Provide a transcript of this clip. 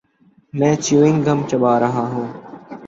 میں chewing gum چبا رہا ہوں۔